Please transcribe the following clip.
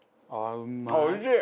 おいしい！